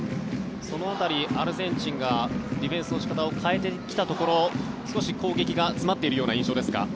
その辺り、アルゼンチンがディフェンスの仕方を変えてきたところ少し攻撃が詰まっているような印象ですか。